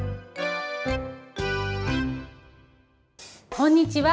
こんにちは。